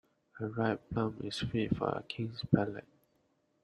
A ripe plum is fit for a king's palate.